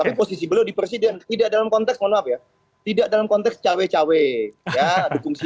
pertama contohnya presiden tidak dalam konteks maaf ya tidak dalam konteks cewek cewek ya dukung si a